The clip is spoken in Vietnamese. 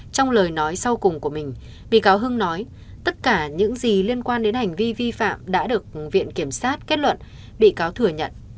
trong lời nói sau cùng của mình bị cáo hưng nói tất cả những gì liên quan đến hành vi vi phạm đã được viện kiểm sát kết luận bị cáo thừa nhận